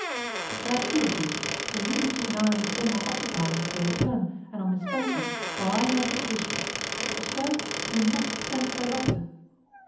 There are two of you, so you must keep an eye on the former occupiers, if they return, and on Miss Spencer, while I nurse the patient. But first, you must send for a doctor.